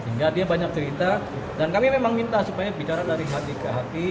sehingga dia banyak cerita dan kami memang minta supaya bicara dari hati ke hati